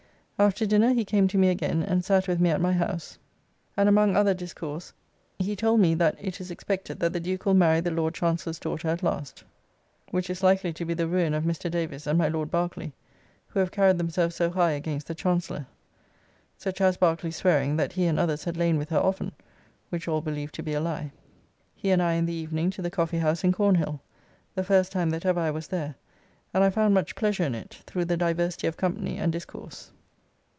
After dinner he came to me again and sat with me at my house, ands among other discourse he told me that it is expected that the Duke will marry the Lord Chancellor's daughter at last which is likely to be the ruin of Mr. Davis and my Lord Barkley, who have carried themselves so high against the Chancellor; Sir Chas. Barkley swearing that he and others had lain with her often, which all believe to be a lie. He and I in the evening to the Coffee House in Cornhill, the first time that ever I was there, and I found much pleasure in it, through the diversity of company and discourse.